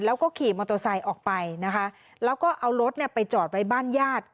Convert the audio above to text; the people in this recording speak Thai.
แล้วก็ขี่มอเตอร์ไซค์ออกไปนะคะแล้วก็เอารถเนี่ยไปจอดไว้บ้านญาติ